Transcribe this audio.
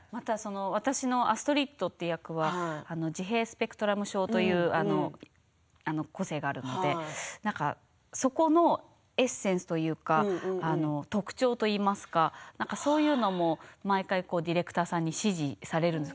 アストリッドという役は、自閉スペクトラム症という個性があるのでそこのエッセンスというか特徴といいますかそういうのも毎回、ディレクターさんに指示されるんです。